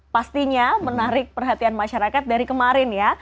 pastinya menarik perhatian masyarakat dari kemarin ya